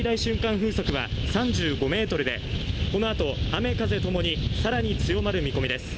風速は３５メートルでこのあと雨・風ともに更に強まる見込みです。